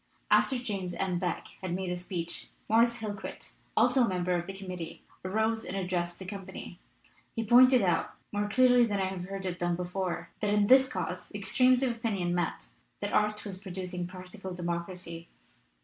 After James M. Beck had made a speech, Morris Hillquit, also a member of the committee, arose and addressed the company. He pointed out more clearly than I have heard it done before that in this cause extremes of opinion met, that art was producing practical democracy.